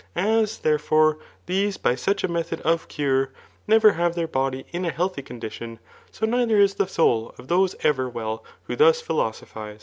As, therefore, the$e by such a method of .cur^ never have their body bi a healthy c^mdkicm, 89 neither id the soul of those ever well who thus^philoso* phi^e.